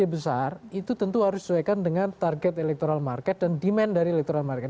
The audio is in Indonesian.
janji besar ide besar itu tentu harus disesuaikan dengan target dan demand dari elektoral market